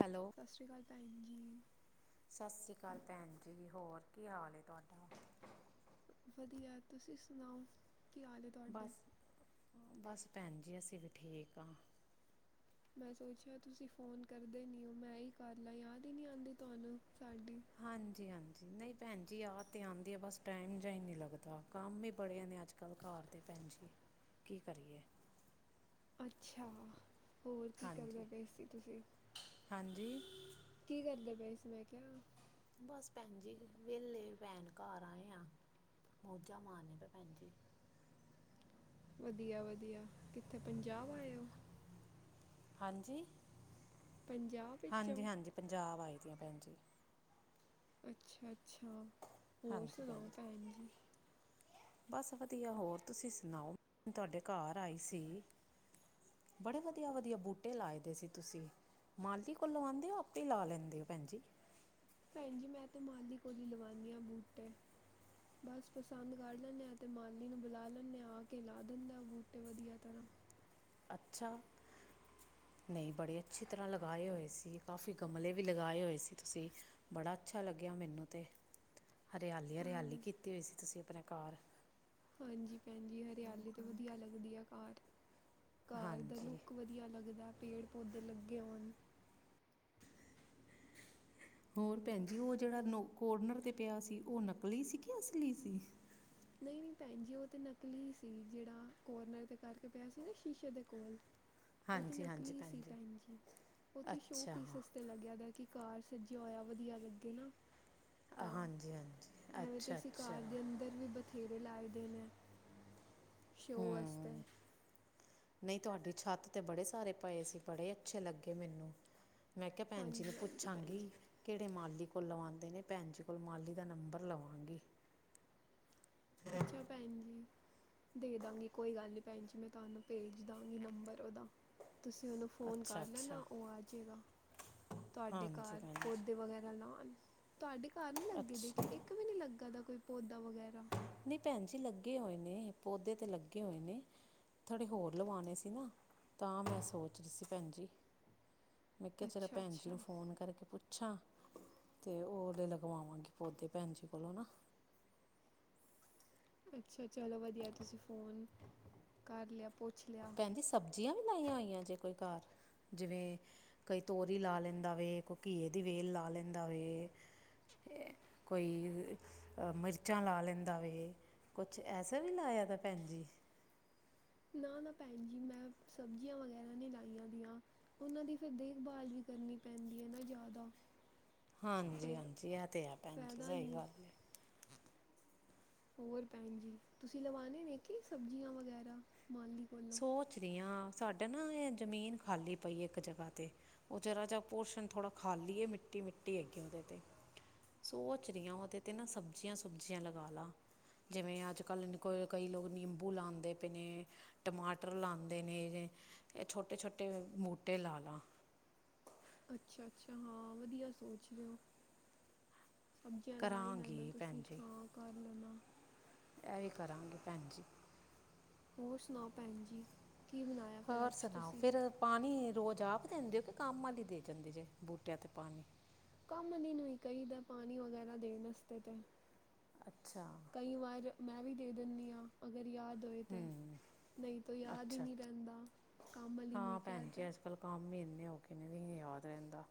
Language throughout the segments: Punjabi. ਹੈਲੋ ਸਤਿ ਸ਼੍ਰੀ ਅਕਾਲ ਭੈਣ ਜੀ ਸਤਿ ਸ਼੍ਰੀ ਅਕਾਲ ਭੈਣ ਜੀ ਹੋਰ ਕੀ ਹਾਲ ਏ ਤੁਹਾਡਾ? ਵਧੀਆ ਤੁਸੀਂ ਸੁਣਾਓ ਕੀ ਹਾਲ ਏ? ਬਸ ਬਸ ਭੈਣ ਜੀ ਅਸੀਂ ਵੀ ਠੀਕ ਆ ਮੈਂ ਸੋਚਿਆ ਤੁਸੀਂ ਫ਼ੋਨ ਕਰਦੇ ਨਈ ਹੋ ਮੈਂ ਹੀ ਕਰ ਲਾਂ ਯਾਦ ਹੀ ਨੀ ਆਂਦੀ ਤੁਹਾਨੂੰ ਸਾਡੀ? ਹਾਂਜੀ ਹਾਂਜੀ ਨਈ ਭੈਣ ਜੀ ਯਾਦ ਤੇ ਆਂਦੀ ਆ ਬਸ ਟਾਈਮ ਜਿਹਾ ਹੀ ਨੀ ਲੱਗਦਾ ਕੰਮ ਹੀ ਬੜੇ ਨੇ ਅੱਜ-ਕੱਲ। ਘਾਰ ਤੇ ਭੈਣ ਜੀ, ਕੀ ਕਰੀਏ। ਅੱਛਾ ਹੋਰ ਕੀ ਕਰਦੇ ਹਾਂਜੀ ਬਪੇ ਸੀ ਤੁਸੀਂ। ਹਾਂਜੀ ਕੀ ਕਰਦੇ ਪਏ ਸੀ ਮੈਂ ਕੇਹਾਿਆ। ਬਸ ਭੈਣ ਜੀ, ਵੇਹਲੇ ਭੈਣ ਘਰ ਆਏ ਆ, ਮੋਜਾਂ ਮਾਰਨ ਪੇਆ ਭੈਣ ਜੀ। ਵਦੀਆ-ਵਦੀਆ, ਕਿੱਥੇ ਪੰਜਾਬ ਆਏ ਓ। ਹਾਂਜੀ, ਪੰਜਾਬ ਵਿੱਚੋਂ ਹਾਂਜੀ-ਹਾਂਜੀ ਪੰਜਾਬ ਆਏ ਦੀਆਂ ਭੈਣ ਜੀ। ਅੱਛਾ-ਅੱਛਾ ਹੋਰ ਸੁਣਾਓ ਭੈਣ ਜੀ। ਬਸ ਵਧੀਆ ਹੋਰ ਤੁਸੀਂ ਸੁਣਾਓ ਤੁਹਾਡੇ ਘਰ ਆਈ ਸੀ। ਬੜੇ ਵਦੀਆ-ਵਦੀਆ ਬੂਟੇ ਲਾਏ ਦੇ ਸੀ ਤੁਸੀਂ। ਮਾਲੀ ਕੋਲ ਲਵਾਂਦੇ ਓ ਆਪੇ ਈ ਲਾ ਲੈਂਦੇ ਹੋ ਭੈਂਜੀ। ਭੈਣ ਜੀ ਮੈਂ ਤੇ ਮਾਲੀ ਕੋਲੀ ਲਵਾਣੀ ਆਂ ਬੂਟੇ। ਬਸ ਪਸੰਦ ਕਰ ਲੈਂਣੇ ਆਂ ਅਤੇ ਮਾਲੀ ਨੂੰ ਬੁਲਾ ਲੈਂਣੇ ਆਂ ਆ ਕੇ ਲਾ ਦਿੰਦੇ ਬੂਟੇ ਵਦੀਆ ਤਰਾਂ। ਅੱਛਾ। ਨਈ ਬੜੇ ਅੱਛੀ ਤਰ੍ਹਾਂ ਲਗਾਏ ਹੋਏ ਸੀ ਕਾਫ਼ੀ ਗਮਲੇ ਵੀ ਲਗਾਏ ਹੋਏ ਸੀ ਤੁਸੀਂ। ਬੜਾ ਅੱਛਾ ਲੱਗੇਆ ਮੈਨੂੰ ਤੇ। ਹਰਿਆਲੀ-ਹਰਿਆਲੀ ਹਾਂ ਕੀਤੀ ਹੋਈ ਸੀ ਤੁਸੀਂ ਆਪਣੇ ਘਾਰ ਹਾਂਜੀ ਭੈਣ ਜੀ ਹਰਿਆਲੀ ਤੇ ਵਦੀਆ ਲੱਗਦੀ ਆ ਘਾਰ, ਘਾਰ ਦਾ ਹਾਂਜੀ ਲੁੱਕ ਵਧ ਈਆ ਲਗਦਾ ਪੇੜ ਪੌਦੇੇ ਲੱਗੇ ਹੋਣ ਹੋਰ ਭੈਣਜੀ ਓਹ ਜੇਹੜਾ ਨੋ ਕੋਰਨਰ ਤੇ ਪਿਆ ਸੀ ਓਹ ਨਕਲੀ ਸੀ ਕੇ ਅਸਲੀ ਸੀ ਨਈ-ਨਈ ਭੈਣ ਜੀ ਓਹ ਤੇ ਨਕਲੀ ਸੀ ਜੇਹੜਾ ਕੋਰਨਰ ਤੇ ਕਰਕੇ ਪੇਆ ਸੀ ਨਾ ਸ਼ੀਸ਼ੇ ਦੇ ਕੋਲ। ਓ ਤੇ ਨਕਲੀ ਸੀ ਭੈਣ ਜੀ, ਓਹ ਤੇ ਸ਼ੋਅ ਅੱਛਾ ਪੀਸ ਆ ਤੇ ਲੱਗੇਆ ਦੈ ਕਿ ਘਾਰ ਸੱਜੇਆ ਹੋਇਆ ਵਧੀਆ ਲੱਗੇ ਨਾ। ਤਾਂ, ਹਾਂਜੀ ਹਾਂਜੀ ਐਵੇਂ ਤੇ ਅੱਛਾ ਅਸੀ ਅੱਛਾ ਘਾਰ ਦੇ ਅੰਦ ਫਿਰ ਵੀ ਬਥੇਰੇ ਲਾਏ ਦੇ ਨੇ, ਸ਼ੋਅ ਵਾਸਤੇ ਨਈ ਤੁਹਾਡੀ ਛੱਤ ਤੇ ਬੜੇ ਸਾਰੇ ਪਏ ਸੀ ਬੜੇ ਅੱਛੇ ਲੱਗੇ ਮੈਨੂੰ ਮੈਂ ਕੇਆ ਭੈਨ ਜੀ ਨੂੰ ਹਾਂਜੀ ਹਾਂਜੀ ਭੈਣ ਜੀ ਪੁੱਛਾਂਗੀ ਕੇੜੇ ਮਾਲੀ ਕੋਲ ਲਵਾਂਦੇ ਨੇ, ਭੈਣ ਜੀ ਕੋਲ ਮਾਲੀ ਦਾ ਨੰਬਰ ਲਵਾਂਗੀ ਅੱਛਾ ਭੈਣ ਜੀ। ਦੇ ਦਾਂਗੀ ਕੋਈ ਗੱਲ ਨੀ ਭੈਣ ਜੀ ਮੈਂ ਤੁਹਾਨੂੰ ਭੇਜ ਦਾਂਗੀ ਨੰਬਰ ਓਦਾ, ਤੁਸੀਂ ਓਹਨੂੰ ਫ਼ੋਨ ਅੱਛਾ ਕਰ ਲੈਣਾ ਅੱਛਾ ਓ ਆ ਜਾਵੇਗਾ ਤੁਆਡੇ ਹਾਂਜੀ ਘਰ ਭੈਣ ਪੌਦੇ ਜੀ ਵਗੈਰਾ ਲਾਣ ਤੁਆਡੇ ਘਰ ਨੀ ਲੱਗੇ ਦੇ, ਅੱਛਾ ਇੱਕ ਵੀ ਨੀ ਲੱਗਾ ਦਾ ਕੋਈ ਪੌਦਾ ਵਗੈਰਾ ਨੀ ਭੈਣ ਜੀ ਲੱਗੇ ਹੋਏ ਨੇ, ਪੌਦੇ ਤੇ ਲੱਗੇ ਹੋਏ ਨੇ ਥੋੜੇ ਹੋਰ ਲਵਾਂਣੇ ਸੀ ਨਾ, ਤਾਂ ਮੈਂ ਸੋਚ ਰੀ ਸੀ ਭੈਣ ਜੀ ਮੈਂ ਕੇਆ ਚਲੋ ਅੱਛਾ ਭੈਣ ਜੀ ਨੂੰ ਅੱਛਾ ਫੋਨ ਕਰਕੇ ਪੁੱਛ ਪੁੱਂਛਾ ਤੇ ਓਦੇ ਲਗਵਾਵਾਂਗੀ ਪੌਦੇ ਭੈਣ ਜੀ ਕੋਲੋਂ ਨਾ ਅੱਛਾ ਚਲੋ ਵਦੀਆ ਤੁਸੀਂ ਫ਼ੋਨ, ਕਰ ਲੇਆ ਪੁੱਛ ਲੇਆ। ਪੈਂਜੀ ਸਬਜ਼ੀਆਂ ਵੀ ਲਾਈਆਂ ਹੋਈਆਂ ਜੇ ਕੋਈ ਘਾਰ। ਜਿਵੇਂ ਕਈ ਤੋਰੀ ਲਾ ਲੈਂਦਾ ਵੇ, ਕੋਈ ਘੀਏ ਦੀ ਵੇਲ ਲਾ ਲੈਂਦਾ ਵੇ। ਕੋਈ, ਅ ਮਿਰਚਾਂ ਲਾ ਲੈਂਦਾ ਵੇ ਕੁਛ ਐਸਾ ਵੀ ਲਾਇਆ ਦਾ ਭੈਣ ਜੀ ਨਾ-ਨਾ ਭੈਣ ਜੀ ਮੈਂ ਸਬਜ਼ੀਆਂ ਵਗੈਰਾ ਨੀ ਲਾਈਆਂ ਦੀਆਂ। ਉਹਨਾਂ ਦੀ ਫਿਰ ਦੇਖਭਾਲ ਵੀ ਕਰਨੀ ਪੈਂਦੀ ਐ ਨਾ ਜੇਆਦਾ। ਹਾਂਜੀ-ਹਾਂਜੀ ਏਹ ਤਾਏ ਹੈ ਭੈਣ ਜੀ, ਫਾਇਦਾ ਸਈ ਨਹੀਂ ਗੱਲ ਏ। ਹੋਰ ਭੈਣ ਜੀ ਤੁਸੀਂ ਲਵਾਣੇ ਨੇ ਕਿ ਸਬਜ਼ੀਆਂ ਵਗੈਰਾ ਮਾਲੀ ਕੋਲੋਂ ਸੋਚ ਰਹੀ ਆਂ, ਸਾਡਾ ਨਾ ਇਹ ਜ਼ਮੀਨ ਖਾਲੀ ਪਈ ਇੱਕ ਜਗ੍ਹਾ ਤੇ। ਉਹ ਜਰਾ ਜਿਹਾ ਪੋਰਸ਼ਣ ਥੋੜਾ ਖਾਲੀ ਏ ਮਿੱਟੀ, ਮਿੱਟੀ ਹੈਗੀ ਉਹਦੇ 'ਤੇ। ਸੋਚ ਰਹੀ ਆਂ ਉਹਦੇ ਤੇ ਨਾ ਸਬਜ਼ੀਆਂ, ਸੁਬਜ਼ੀਆਂ ਲਗਾ ਲਾ। ਜਿਵੇਂ ਅੱਜ -ਕੱਲ ਕੋਈ ਕਈ ਲੋਕ ਨਿੰਬੂ ਲਾਉਂਦੇ ਪਏ ਨੇ। ਟਮਾਟਰ ਲਾਂਦੇ ਨੇ, ਇਹ ਛੋਟੇ, ਛੋਟੇ ਬੂਟੇ ਲਾ ਲਾ। ਅੱਛਾ, ਅੱਛਾ ਹਾਂ ਵਧੀਆ ਸੋਚ ਰਹੇ ਓ। ਸਬਜ਼ੀਆਂ ਲਾ ਹੀ ਲੈਣਾ ਕਰਾਂਗੀ ਭੈਣ ਤੁਸੀਂ ਹਾਂ ਕਰ ਲੈਨਾ। ਐਹ ਕਰਾਂਗੇ ਭੈਣ ਜੀ। ਹੋਰ ਸੁਣਾਓ ਭੈਣਜੀ, ਕੀ ਬਣਾਇਆ। ਫਿਰ ਹੋਰ ਅੱਜ ਸੁਣਾਓ ਤੁਸੀਂ ਫੇਰ ਪਾਣੀ ਰੋਜ਼ ਆਪ ਦਿੰਦੇ ਹੋ ਕਿ ਕੰਮ ਵਾਲੀ ਦੇ ਜਾਂਦੀ ਜੇ ਬੂਟਿਆਂ ਤੇ ਪਾਣੀ। ਕੰਮ ਵਾਲੀ ਨੂੰ ਕਹੀਦਾ ਪਾਣੀ ਵਗੈਰਾ ਦੇਣ ਵਾਸਤੇ ਤਾਂ। ਅੱਛਾ। ਕਈ ਵਾਰੀ ਮੈਂ ਵੀ ਦੇ ਦਿੰਦੀ ਹਾਂ, ਅਗਰ ਯਾਦ ਹੋਏ ਤੇ। ਨਹੀਂ ਤਾਂ ਯਾਦ ਹੀ ਅੱਛਾ ਨਹੀਂ ਅੱਛਾ ਰਹਿੰਦਾ, ਕੰਮ ਵਾਲੀ ਨੂੰ ਹਾਂ ਹੀ ਭੈਣ ਕਹਿਤਾ। ਜੀ ਅੱਜ- ਕੱਲ ਕੰਮ ਹੀ ਇੰਨੇ ਹੋ ਗਏ ਨੇ, ਨਹੀ ਯਾਦ ਰਹਿੰਦਾ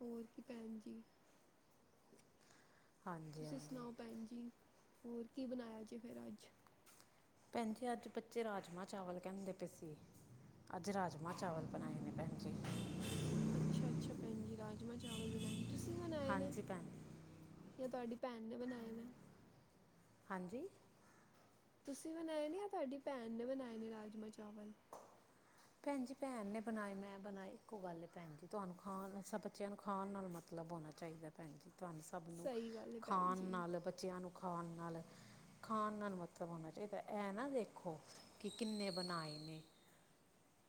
ਹੋਰ ਕੀ ਭੈਣਜੀ ਹਾਂਜੀ ਤੁਸੀਂ ਹਾਂਜੀ ਸੁਣਾਓ ਭੈਣਜੀ, ਹੋਰ ਕੀ ਬਣਾਇਆ ਜੀ ਫਿਰ ਅੱਜ। ਭੈਣਜੀ ਅੱਜ ਬੱਚੇ ਰਾਜਮਾਂਹ ਚਾਵਲ ਕਹਿੰਦੇ ਪਏ ਸੀ, ਅੱਜ ਰਾਜਮਾਂਹ ਚਾਵਲ ਬਣਾਏ ਨੇ ਭੈਣਜੀ ਅੱਛਾ-ਅੱਛਾ ਭੈਣ ਜੀ ਰਾਜਮਾਂਹ ਚਾਵਲ ਬਣਾਏ ਨੇ, ਤੁਸੀਂ ਬਣਾਏ ਨੇ ਹਾਂਜੀ ਭੈਣ ਜਾਂ ਤਾਡੀ ਭੈਣ ਨੇ ਬਣਾਏ ਨੇ ਹਾਂਜੀ ਤੁਸੀਂ ਬਣਾਏ ਨੇ ਜਾਂ ਤਾਡੀ ਭੈਣ ਨੇ ਬਣਾਏ ਨੇ ਰਾਜਮਾਂਹ ਚਾਵਲ ਭੈਣ ਜੀ ਭੈਣ ਨੇ ਬਣਾਏ ਮੈਂ ਬਣਾਏ ਇੱਕੋ ਗੱਲ ਹੈ ਭੈਣ ਜੀ ਤੁਹਾਨੂੰ ਖਾਣ ਨਾਲ ਸਭ ਬੱਚਿਆਂ ਨੂੰ ਖਾਣ ਨਾਲ ਮਤਲਬ ਹੋਣਾ ਚਾਹੀਦਾ ਭੈਣ ਜੀ ਤੁਹਾਨੂੰ ਸਭ ਨੂੰ, ਸਹੀ ਗੱਲ ਹੈ ਭੈਣ ਖਾਣ ਜੀ ਨਾਲ ਬੱਚਿਆਂ ਨੂੰ ਖਾਣ ਨਾਲ ਖਾਣ ਨਾਲ ਮਤਲਬ ਹੋਣਾ ਚਾਹੀਦਾ, ਐਹ ਨਾ ਦੇਖੋ ਕਿ ਕਿੰਨੇ ਬਣਾਏ ਨੇ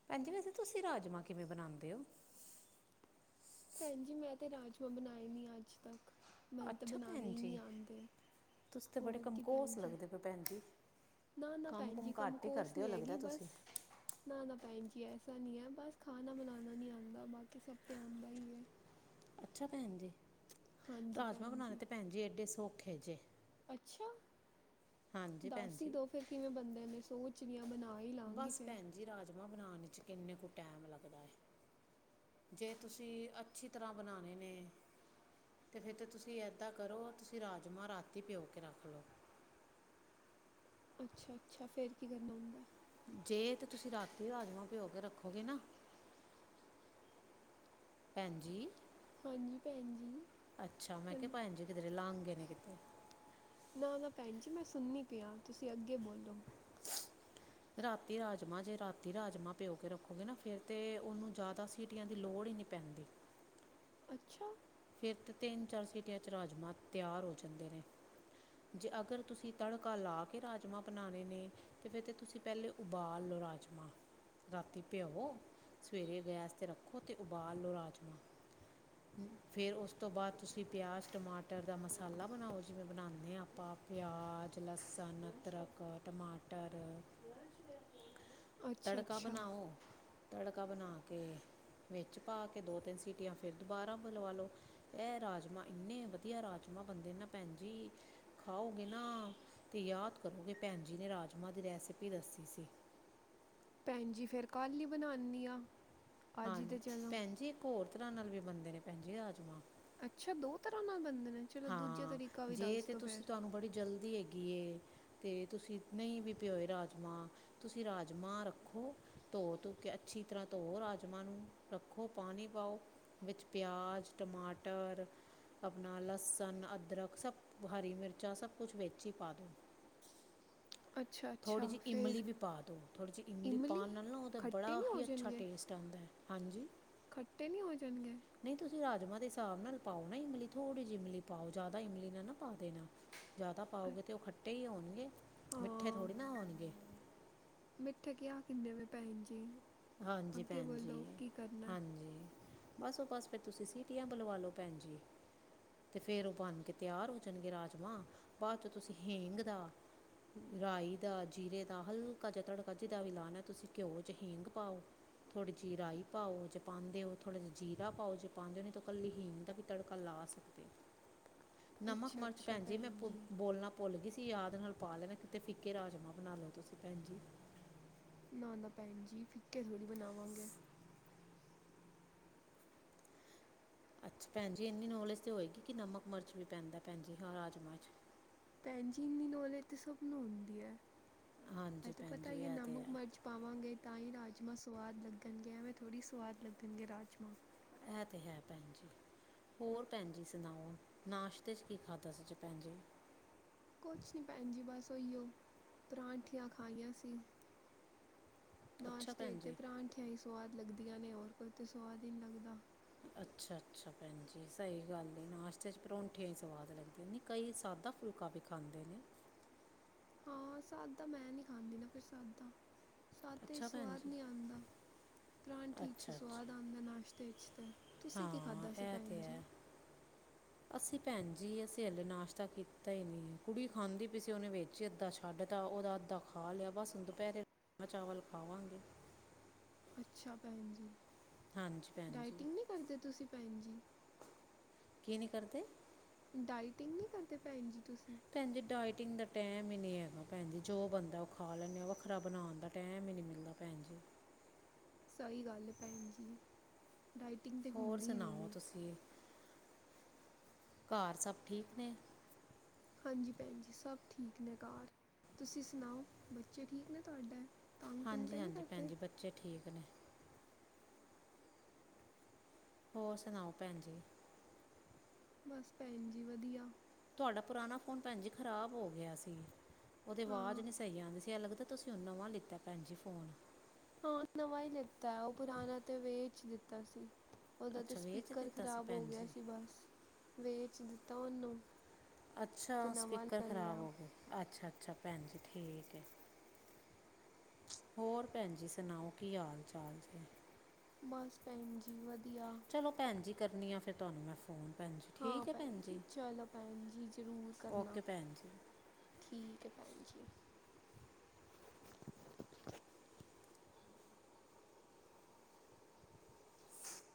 ਭੈਣਜੀ ਵੈਸੇ ਤੁਸੀਂ ਰਾਜਮਾਂ ਕਿਵੇਂ ਬਣਾਉਂਦੇ ਓ ਭੈਣ ਜੀ ਮੈਂ 'ਤੇ ਰਾਜਮਾਂਹ ਬਨਾਏ ਨੀ ਅੱਜ ਤੱਕ। ਮੈਨੂੰ ਤਾਂ ਅੱਛਾ ਬਨਾਨੇ ਭੈਣ ਈ ਨੀ ਜੀ ਆਂਦੇ, ਹੋਰ ਕੀ ਭੈਣ ਜੀ? ਓ ਭੈਣਜੀ ਨਾ-ਨਾ ਭੈਣ ਜੀ, ਕੰਮ ਕੋਸ ਨੀ ਹੈਗੀ ਤੁਸੀਂ ਬਸ ਨਾ-ਨਾ ਭੈਣ ਜੀ ਐਸਾ ਨੀ ਐ, ਬਸ ਖਾਨਾ ਬਨਾਨਾ ਨੀ ਆਂਦਾ ਬਾਕੀ ਸਭ ਤਾਂ ਆਂਦਾ ਈ ਐ। ਅੱਛਾ ਭੈਣ ਜੀ, ਹਾਂਜੀ ਰਾਜਮਾਂਹ ਭੈਣ ਬਨਾਨੇ ਤੇ ਭੈਣ ਜੀ ਐਡੇ ਸੋਖੇ ਜੇ। ਅੱਛਾ! ਹਾਂਜੀ ਭੈਣ ਦੱਸ ਹੀ ਜੀ ਦੋ ਫੇਰ ਕਿਵੇਂ ਬਣਦੇ ਨੇ ਸੋਚ ਸੋਚ ਰਹੀ ਆਂ ਬਨਾ ਈ ਲਾਂਗੀ ਬਸ ਫੇਰ ਭੈਣ ਜੀ ਰਾਜਮਾਂਹ ਬਨਾਨ 'ਚ ਕਿੰਨੇ ਕੁ ਟੈਮ ਲੱਗਦਾ ਐ। ਜੇ ਤੁਸੀਂ ਅੱਛੀ ਤਰ੍ਹਾਂ ਬਣਾਉਨੇ ਨੇ ਤੇ ਫੇਰ ਤੇ ਤੁਸੀਂ ਐਦਾਂ ਕਰੋ, ਤੁਸੀਂ ਰਾਜਮਾਂਹ ਰਾਤੀ ਪਿਓ ਕੇ ਰੱਖ ਲਓ ਅੱਛਾ-ਅੱਛਾ, ਫਿਰ ਕੀ ਕਰਨਾ ਹੁੰਦਾ? ਜੇ 'ਤੇ ਤੁਸੀਂ ਰਾਤੀ ਰਾਜਮਾਂਹ ਭਿਓ ਕੇ ਰੱਖੋਗੇ ਨਾ ਭੈਣਜੀ, ਹਾਂਜੀ, ਭੈਣਜੀ। ਅੱਛਾ, ਮੈਂ ਕਿਹਾ ਭੈਣ ਜੀ ਕਿਧਰੇ ਲਾਂਗੇ ਨੇ ਕਿਥੇ। ਨਾ-ਨਾ ਭੈਣ ਜੀ, ਮੈਂ ਸੁੰਨੀ ਪਿਆ, ਤੁਸੀਂ ਅੱਗੇ ਬੋਲੋ। ਰਾਤੀ ਰਾਜਮਾਂਹ, ਜੇ ਰਾਤੀ ਰਾਜਮਾਂਹ ਭਿਓ ਕੇ ਰੱਖੋਗੇ ਨਾ ਫਿਰ ਤੇ ਉਹਨੂੰ ਜਾਦਾ ਸੀਟੀਆਂ ਦੀ ਲੋੜ ਈ ਨੀ ਪੈਂਦੀ। ਅੱਛਾ। ਫੇਰ ਤੇ ਤੇਨ ਚਾਰ ਸੀਟੀਆਂ ਚ ਰਾਜਮਾਂ ਤਿਆਰ ਹੋ ਜਾਂਦੇ ਨੇ। ਜੇ ਅਗਰ ਤੁਸੀਂ ਤੜਕਾ ਲਾ ਕੇ ਰਾਜਮਾਂ ਬਨਾਨੇ ਨੇ ਤੇ ਫੇਰ ਤੇ ਤੁਸੀਂ ਪੈਲੇ ਉਬਾਲ ਲੋ ਰਾਜਮਾਂ। ਰਾਤੀ ਭਿਓਵੋ, ਸਵੇਰੇ ਗੈਸ ਤੇ ਰੱਖੋ 'ਤੇ ਉਬਾਲ ਲੋ ਰਾਜਮਾ। [inaudible] ਫੇਰ ਓਸ ਤੋਂ ਬਾਦ ਤੁਸੀਂ ਪਿਆਜ਼ ਟਮਾਟਰ ਦਾ ਮਸਾਲਾ ਬਨਾਓ ਜਿਵੇਂ ਬਨਾਂਨੇ ਆਂ ਪ ਪਿਆਜ, ਲਸਨ, ਅਦਰਕ, ਟਮਾਟਰ ਵੱਜ ਰਿਹਾ ਫੋਨ, ਹੈ ਨਾ? ਤੜਕਾ ਬਨਾਓ ਤੜਕਾ ਬਨਾ ਕੇ ਵਿੱਚ ਪਾ ਕੇ ਦੋ-ਤਿੰਨ ਸੀਟੀਆਂ ਫੇਰ ਦੁਬਾਰਾ ਬਲਵਾ ਲੋ। ਐ ਰਾਜਮਾ, ਇੰਨੇ ਵਧੀਆ ਰਾਜਮਾ ਬਨਦੇ ਨੇ ਨਾ ਭੈਣ ਜੀ ਖਾਓਗੇ ਨਾ, ਤੇ ਯਾਦ ਕਰੋਗੇ ਭੈਣ ਜੀ ਨੇ ਰਾਜਮਾਂ ਦੀ ਰੈਸਿਪੀ ਦੱਸੀ ਸੀ ਭੈਣ ਜੀ ਫੇਰ ਕੱਲ ਈ ਬਨਾਨਿ ਆਂ। ਹਾਂ, ਭੈਣ ਜੀ ਏਕ ਹੋਰ ਤਰ੍ਹਾਂ ਨਾਲ ਵੀ ਬਨਦੇ ਨੇ ਭੈਣ ਜੀ, ਰਾਜਮਾਂ। ਅੱਛਾ, ਦੋ ਤਰ੍ਹਾਂ ਨਾਲ ਬਨਦੇ ਨੇ? ਚਲੋ ਦੂਜਾ ਹਾਂ, ਤਰੀਕਾ ਵੀ ਜੇ ਦੱਸ ਤੇ ਦਿਉ ਤੁਸੀਂ ਫਿਰ ਤੁਹਾਨੂੰ ਬੜੀ ਜਲਦੀ ਹੈਗੀ ਏ ਤੇ ਤੁਸੀਂ ਨਈ ਵੀ ਭਿਓਏ ਰਾਜਮਾਂ ਤੁਸੀਂ ਰਾਜਮਾਂ ਰੱਖੋ, ਧੋ ਧੂ ਕੇ ਅੱਛੀ ਤਰ੍ਹਾਂ ਧੋਓ ਰਾਜਮਾਂ ਨੂੰ ਰੱਖੋ ਪਾਨੀ ਪਾਓ, ਵਿੱਚ ਪਿਆਜ, ਟਮਾਟਰ, ਆਪਨਾ ਲਸ -ਸਨ, ਅਦਰਕ ਸਭ ਹਰੀ ਮਿਰਚਾਂ ਸਭ ਕੁਛ ਵਿੱਚ ਈ ਪਾ ਦੋ। ਅੱਛਾ ਥੋੜੀ ਅੱਛਾ ਜਿ ਫਿਰ ਇਮਲੀ ਵੀ ਪਾ ਦੋ, ਥੋੜੀ ਜਿ ਇਮਲੀ ਪਾਨ ਨਾਲ ਨਾ ਓਦਾ ਤਾਂ ਖੱਟੇ ਬੜਾ ਨਹੀਂ ਹੋ ਹੀ ਅੱਛਾ ਜਾਣਗੇ ਟੇਸਟ -ਟ ਆਂਦੈ। ਹਾਂਜੀ ਖੱਟੇ ਨੀ ਹੋ ਜਾਨਗੇ? ਨਈ ਤੁਸੀਂ ਰਾਜਮਾਂ ਦੇ ਹਿਸਾਬ ਨਾਲ ਪਾਓ ਨਾ ਇਮਲੀ, ਥੋੜ੍ਹੀ ਜਿ ਇਮਲੀ ਪਾਓ ਜਿਆਦਾ ਇਮਲੀ ਨਾ-ਨਾ ਪਾ ਦੇਨਾ। ਜਾਦਾ ਪਾਓਗੇ ਤੇ ਅੱਛ- ਓ ਖੱਟੇ ਈ ਹੋਨਗੇ, ਮਿੱਠੇ ਹਾਂ ਥੋੜ੍ਹੇ ਨਾ ਹੋਣਗੇ। ਮਿੱਠੇ ਕੀਆ ਕਿੰਨੇ ਵੇ ਭੈਨ ਜੀ? ਹਾਂਜੀ ਅੱਗੇ ਭੈਣ ਜੀ ਬੋਲੋ ਕੀ ਕਰਨਾ ਹਾਂਜੀ। ਬਸ ਓ ਬਸ ਫੇਰ ਤੁਸੀਂ ਸੀਟੀਆਂ ਬਲਵਾ ਲੋ ਭੈਨਜੀ। ਤੇ ਫੇਰ ਉ ਬੰਨ ਕੇ ਤਿਆਰ ਹੋ ਜਾਨਗੇ ਰਾਜਮਾਂ, ਬਾਅਦ ਚੋ ਤੁਸੀਂ ਹਿਂਗ ਦਾ ਰਾਈ ਦਾ, ਜੀਰੇ ਦਾ ਹਲਕਾ ਜਾ ਤੜਕਾ ਜਿਦਾ ਵੀ ਲਾਨਾ ਤੁਸੀਂ ਘਿਓ 'ਚ ਹਿੰਗ ਪਾਓ ਥੋੜੀ ਜਿ ਰਾਈ ਪਾਓ ਜੇ ਪਾਂਦੇ ੳ ਥੋੜਾ ਜਿ ਜੀਰਾ ਪਾਓ ਜੇ ਪਾਂਦੇ ਓ ਨਈ ਤਾਂ ਕੱਲੀ ਹੀਂਗ ਦਾ ਤੜਕਾ ਲਾ ਸਕਦੇ ੳ। [inaudible] ਨਮਕ ਅੱਛਾ ਮਿਰਚ ਅੱਛਾ ਭੈਨਜੀ ਮੈਂ ਭੈਣ ਜੀ ਬੋਲਣਾ ਭੁੱਲ ਗਈ ਸੀ ਯਾਦ ਨਾਲ ਪਾ ਲੈਣਾ, ਕਿਤੇ ਫਿੱਕੇ ਰਾਜਮਾਂ ਬਨਾ ਲੋ ਤੁਸੀਂ ਭੈਨਜੀ। ਨਾ ਨਾ ਭੈਨ ਜੀ ਫਿੱਕੇ ਥੋੜ੍ਹੀ ਬਨਾਵਾਂਗੇ। ਅੱਛਾ ਭੈਨ ਜੀ ਇੰਨੀ ਨੌਲੇਜ ਤਾਂ ਹੋਏਗੀ ਕਿ ਨਮਕ ਮਿਰਚ ਵੀ ਪੈਂਦਾ ਭੈਨਜੀ ਹਾਂ ਰਾਜਮਾਂ 'ਚ। ਭੈਨ ਜੀ ਏਨੀ ਨੌਲੇਜ ਤੇ ਸਭ ਨੂੰ ਹੁੰਦੀ ਏ, ਐ ਹਾਂਜੀ ਤੇ ਭੈਣ ਪਤਾ ਜੀ ਈ ਏ ਇਹ ਤੇ ਨਮਕ ਹੈ ਮਰਚ ਪਾਵਾਂਗੇ ਤਾਂ ਈ ਰਾਜਮਾਂ ਸਵਾਦ ਲੱਗਨਗੇ ਐਵੇਂ ਥੋੜ੍ਹੀ ਸਵਾਦ ਲੱਗਨਗੇ ਰਾਜਮਾ। ਐ ਤੇ ਹੈ ਭੈਨ ਜੀ। ਹੋਰ ਭੈਨ ਜੀ ਸੁਨਾਓ, ਨਾਸ਼ਤੇ ਚ ਕੀ ਖਾਧਾ ਸੀ ਭੈਨ ਜੀ। ਕੁਛ ਨੀ ਭੈਨ ਜੀ ਬਸ ਉਈਓ ਪਰਾਂਠੀਆਂ ਖਾਈਆਂ ਸੀ। ਅੱਛਾ ਨਾਸ਼ਤੇ ਭੈਣ ਤੇ ਜੀ ਪਰਾਂਠੀਆਂ ਈ ਸਵਾਦ ਲਗਦੀਆਂ ਨੇ ਹੋਰ ਕੋਈ ਤਾਂ ਸਵਾਦ ਈ ਨੀ ਲੱਗਦਾ। ਅੱਛਾ-ਅੱਛਾ, ਭੈਣ ਜੀ ਸਈ ਗੱਲ ਏ, ਨਾਸ਼ਤੇ 'ਚ ਪਰੋਂਂਠੀਆਂ ਹੀ ਸਵਾਦ ਲੱਗਦੀਏ। ਕਈ ਸਾਦਾ ਫੁਲਕਾ ਵੀ ਖਾਂਦੇ ਨੇ। ਹਾਂ, ਸਾਦਾ ਮੈਂ ਨਈਂ ਖਾਂਦੀ ਨਾ, ਫੇਰ ਸਾਦਾ। ਸਾਦੇ ਚ ਅੱਛਾ ਭੈਣ ਸਵਾਦ ਜੀ ਨੀ ਆਂਦਾ, ਪਰੌਂਠੀ ਚ ਅੱਛਾ ਸਵਾਦ ਅੱਛਾ ਆਂਦਾ ਨਾਸ਼ਤੇ ਚ ਤੇ। ਤੁਸੀਂ ਕੀ ਹਾਂ ਖਾਧਾ ਸੀ, ਇਹ ਤੇ ਭੈਣ ਜੀ? ਹੈ ਅਸੀਂ ਭੈਣ ਜੀ, ਅਸੀਂ ਹਲੇੇ ਨਾਸ਼ਤਾ ਕੀਤਾ ਈ ਨਨੀਂ, ਕੁੜੀ ਖਾਂਦੀ ਪੀ ਸੀ ਓਨੇ ਵੇਚ ਚ ਅੱਧਾ ਛੱਡ ਤਾ ਓਦਾ ਅੱਧਾ ਖਾ ਲਿਆ ਬਸ ਦੁ, ਪੈਰੇ ਰਾਜਮਾਂ-ਚਾਵਲ ਖਾਵਾਂਗੇ। ਅੱਛਾ ਭੈਣ ਜੀ, ਹਾਂਜੀ ਭੈਣ ਜੀ ਡਾਇਟਿੰਗ ਨਈਂ ਕਰਦੇ ਤੁਸੀਂ ਭੈਣ ਜੀ? ਕੀ ਨੀਂ ਕਰਦੇ? ਡਾਇਟਿੰਗ ਨੀਂ ਕਰਦੇ, ਭੈਣ ਜੀ ਤੁਸੀ? ਭੈਣਜੀ ਡਾਇਟਿੰਗ ਦਾ ਟੈਮ ਈਂ ਨੀਂ ਹੈਗਾ ਭੈਣ ਜੀ, ਜੋ ਬੰਦਾ ਓ ਖਾ ਲੈਂਦੇ ਵੱਖਰਾ ਬਣਾਣ ਦਾ ਟੈਮ ਈਂ ਨੀਂ ਮਿਲਦਾ। ਭੈਣ ਜੀ [inaudible] ਸਈ ਗੱਲ ਏ ਭੈਣ ਜੀ, ਡਾਈਟਿੰਗ ਤਾਂ ਹੋਰ ਹੁੰਦੀ ਵੀ ਸੁਣਾਓ ਨੀਂ। ਤੁਸੀਂ ਘਰ ਸਭ ਠੀਕ ਨੇ? ਹਾਂਜੀ ਭੈਣ ਜੀ, ਸਭ ਠੀਕ ਨੇ ਘਰ। ਤੁਸੀਂ ਸੁਣਾਓ ਬੱਚੇ ਠੀਕ ਨੇ ਤੁਆਡੇ? ਹਾਂਜੀ-ਹਾਂਜੀ ਭੈਣ ਜੀ, ਬੱਚੇ ਠੀਕ ਨੇ। ਹੋਰ ਸੁਣਾਓ, ਭੈਣ ਜੀ। ਬਸ ਭੈਣ ਜੀ, ਵਧੀਆ। ਤੁਆਡਾ ਪੁਰਾਣਾ ਫ਼ੋਨ ਭੈਣ ਜੀ, ਖਰਾਬ ਹੋ ਗਿਆ ਸੀ। ਓਦੀ ਵਾਜ ਹਾਂ ਨੀ ਸਈ ਆਂਦੀ ਸੀ, ਐਂ ਲਗਦੈ ਤੁਸੀਂ ਹੁਨ ਨਵਾਂ ਲਿੱਤਾ ਭੈਣ ਜੀ ਫੋਨ। ਹੋਰ ਨਵਾਂ ਈ ਲਿੱਤਾ, ਓ ਪੁਰਾਣਾ ਤੇ ਵੇਚ ਦਿੱਤਾ ਸੀ। ਓਦਾ ਤੇ ਅੱਛਾ ਵੇਚ ਸਪੀਕਰ ਦਿੱਤਾ ਸੀ ਖ਼ਰਾਬ ਹੋ ਭੈਣ ਗਿਆ ਜੀ ਸੀ ਬਸ, ਵੇਚ ਦਿੱਤਾ ਓਨੂੰ। ਅੱਛਾ ਸਪੀਕਰ ਖ਼ਰਾਬ ਹੋ ਗਯਾ, ਅੱਛਾ-ਅੱਛਾ ਭੈਣ ਜੀ, ਠੀਕ ਐ। [inaudible] ਹੋਰ ਭੈਣ ਜੀ ਸੁਣਾਓ, ਕੀ ਹਾਲ-ਚਾਲ? ਬਸ ਭੈਣ ਜੀ, ਵਧੀਆ। ਚਲੋ ਭੈਣ ਜੀ, ਕਰਨੀ ਆ ਫੇਰ ਤੁਹਾਨੂੰ ਮੈਂ। ਫੋਨ ਪੰਜ ਹਾਂ ਭੈਣ ਜੀ, ਚਲੋ ਭੈਣ ਜੀ, ਜਰੂਰ ਕਰਨਾ। ਓਕੇ ਭੈਣ ਜੀ ਠੀਕ ਐ, ਭੈਨ ਜੀ।